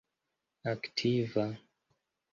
aktiva